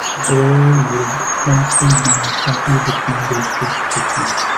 There would also have been a shuttle between those two stations.